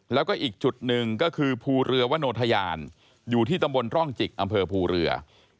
แล้วก็อีกจุดหนึ่งก็คือภูเรือวโนทยานอยู่ที่ตำบลร่องจิกอำเภอภูเรือ